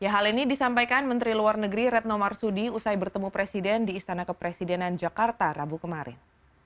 hal ini disampaikan menteri luar negeri retno marsudi usai bertemu presiden di istana kepresidenan jakarta rabu kemarin